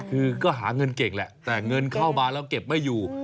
คือก็หาเงินเก่งแหละแต่เงินเข้ามาแล้วเก็บไม่อยู่